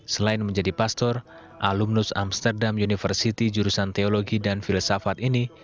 selain menjadi pastor alumnus amsterdam university jurusan teologi dan filsafat ini